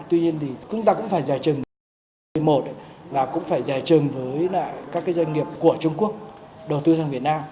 tuy nhiên chúng ta cũng phải giải trừng với các doanh nghiệp của trung quốc đầu tư sang việt nam